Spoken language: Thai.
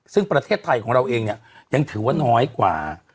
ซึ่งประเทศไทยของเราเองเนี่ยยังถือว่าน้อยกว่า